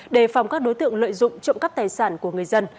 đề phòng các đối tượng lợi dụng trộm cắp tài sản của người dân